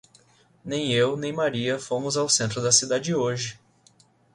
Nem eu nem Maria fomos ao centro da cidade hoje.